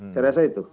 saya rasa itu